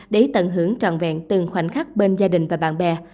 để tận hưởng trọn vẹn từng khoảnh khắc bên gia đình và bạn bè